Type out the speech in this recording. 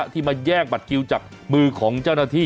ที่มาแยกบัตรคิวจากมือของเจ้าหน้าที่